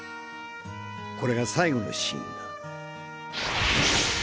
これが最後のシーンだ。